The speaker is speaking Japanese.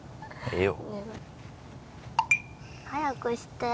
早くして。